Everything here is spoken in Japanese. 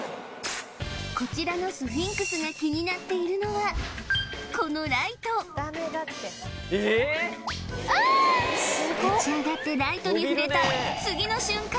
こちらのスフィンクスが気になっているのはこのライト立ち上がってライトに触れた